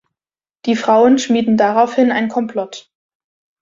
Die Frauen schmieden daraufhin ein Komplott.